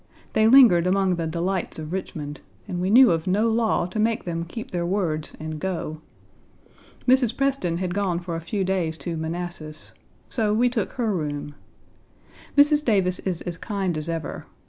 They lingered among the delights of Richmond, and we knew of no law to make them keep their words and go. Mrs. Preston had gone for a few days to Manassas. So we took her room. Mrs. Davis is as kind as ever.